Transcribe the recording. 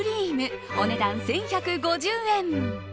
お値段１１５０円。